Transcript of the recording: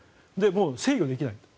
もう制御できない。